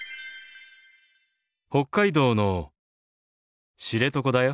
北海道の知床だよ。